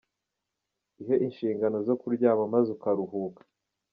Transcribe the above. Ihe inshingano zo kuryama maze ukaruhuka.